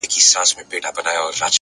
پوهه د محدود فکر پولې ماتوي!